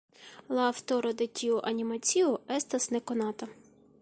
La aŭtoro de tiu animacio estas nekonata.